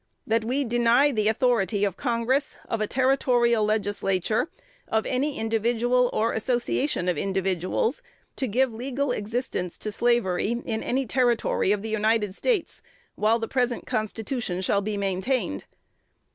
That we deny the authority of Congress, of a territorial Legislature, of any individual, or association of individuals, to give legal existence to slavery in any Territory of the United States while the present Constitution shall be maintained.